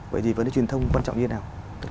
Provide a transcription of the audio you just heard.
vậy thì vấn đề truyền thông quan trọng như thế nào